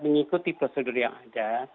mengikuti prosedur yang ada